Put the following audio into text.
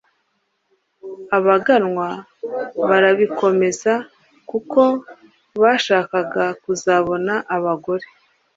Abaganwa barabikomeza kuko bashakaga kuzabona abagore